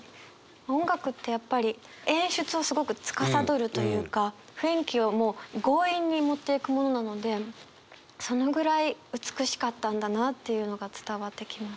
音楽ってやっぱり演出をすごくつかさどるというか雰囲気をもう強引に持っていくものなのでそのぐらい美しかったんだなっていうのが伝わってきます。